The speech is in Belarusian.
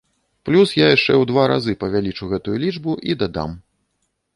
Плюс я яшчэ ў два разы павялічу гэтую лічбу і дадам.